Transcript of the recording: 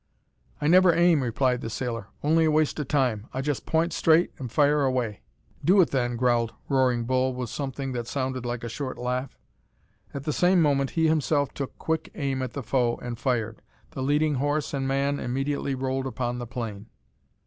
"I never aim," replied the sailor. "Only a waste o' time. I just point straight an' fire away." "Do it, then," growled roaring Bull, with something that sounded like a short laugh. At the same moment he himself took quick aim at the foe and fired; the leading horse and man immediately rolled upon the plain.